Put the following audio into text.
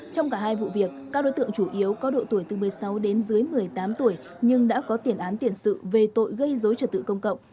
trong cả hai vụ việc các đối tượng chủ yếu có độ tuổi từ một mươi sáu đến dưới một mươi tám tuổi nhưng đã có tiền án tiền sự về tội gây dối trật tự công cộng